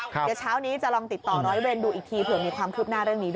เดี๋ยวเช้านี้จะลองติดต่อร้อยเวรดูอีกทีเผื่อมีความคืบหน้าเรื่องนี้ด้วย